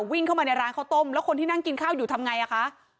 วิ่งเข้ามาในร้านข้าวต้มแล้วคนที่นั่งกินข้าวอยู่ทำไงอ่ะคะ